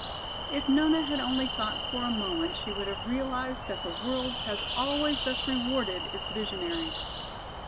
If Nona had only thought for a moment she would have realized that the world has always thus rewarded its visionaries.